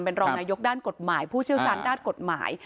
เป็นรองนายกด้านกฎหมายผู้เชี่ยวชาญด้านกฎหมาย